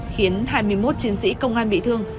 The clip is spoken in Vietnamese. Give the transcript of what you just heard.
khiến hai mươi một chiến sĩ công an bị thương